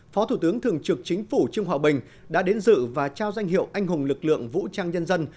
phó thủ tướng thường trực chính phủ trương hòa bình đã đến dự và trao danh hiệu anh hùng lực lượng vũ trang nhân dân